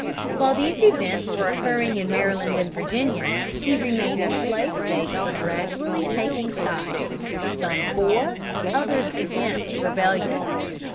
While these events were occurring in Maryland and Virginia, the remaining slave States were gradually taking sides, some for, others against rebellion.